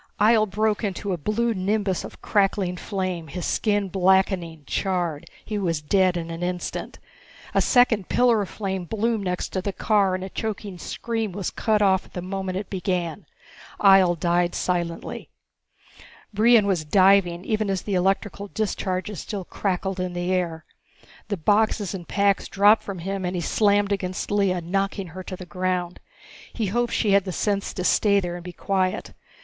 Ihjel broke into a blue nimbus of crackling flame, his skin blackening, charred. He was dead in an instant. A second pillar of flame bloomed next to the car, and a choking scream was cut off at the moment it began. Ihjel died silently. Brion was diving even as the electrical discharges still crackled in the air. The boxes and packs dropped from him and he slammed against Lea, knocking her to the ground. He hoped she had the sense to stay there and be quiet.